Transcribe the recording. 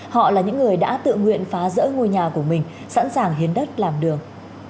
họ là những người đã tự nguyện phá rỡ ngôi nhà của mình sẵn sàng hiến đất làm đường